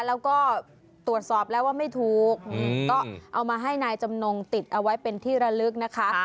แล้วก็ตรวจสอบแล้วว่าไม่ถูกก็เอามาให้นายจำนงติดเอาไว้เป็นที่ระลึกนะคะ